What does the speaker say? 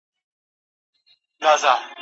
زړه به درکوم ته به یې نه منې